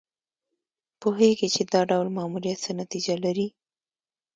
پوهېږي چې دا ډول ماموریت څه نتیجه لري.